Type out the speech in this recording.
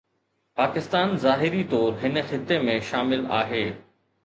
پاڪستان ظاهري طور هن خطي ۾ شامل آهي.